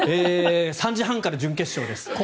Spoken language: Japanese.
３時半から準決勝です。